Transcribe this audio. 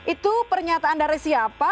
itu pernyataan dari siapa